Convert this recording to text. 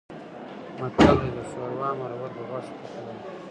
متل دی: د شوروا مرور په غوښه پخلا.